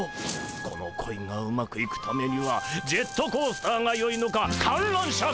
この恋がうまくいくためにはジェットコースターがよいのか観覧車か。